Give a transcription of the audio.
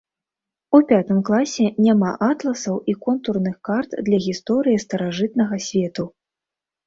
У пятым класе няма атласаў і контурных карт для гісторыі старажытнага свету.